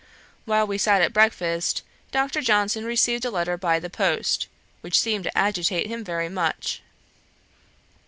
While we sat at breakfast, Dr. Johnson received a letter by the post, which seemed to agitate him very much.